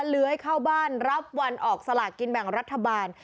เลื้อยเข้าบ้านรับวันออกสลากกินแบ่งรัฐบาล